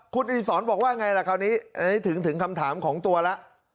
คุณอิสรบอกว่าไงละคราวนี้ถึงคำถามของตัวล่ะ